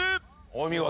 お見事。